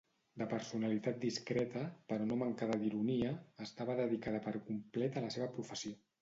De personalitat discreta, però no mancada d'ironia, estava dedicada per complet a la seva professió.